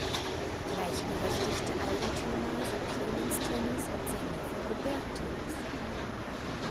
Gleichberechtigte Eigentümer sind Clemens Tönnies und sein Neffe Robert Tönnies.